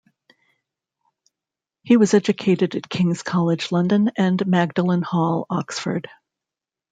He was educated at King's College London and Magdalen Hall, Oxford.